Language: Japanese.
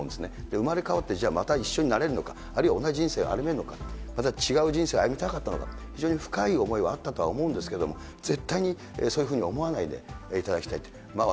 生まれ変わって、じゃあ、また一緒になれるのか、あるいは同じ人生を歩めるのか、また違う人生を歩みたかったのか、非常に深い思いはあったとは思うんですけれども、絶対にそういうふうには思わないでいただきたいと。